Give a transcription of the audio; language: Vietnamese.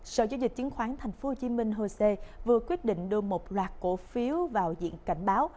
sở chủ dịch chính khoán thành phố hồ chí minh hồ sê vừa quyết định đưa một loạt cổ phiếu vào diện cảnh báo